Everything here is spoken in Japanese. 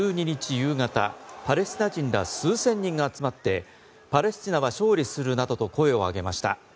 夕方パレスチナ人ら数千人が集まってパレスチナは勝利するなどと声を上げました。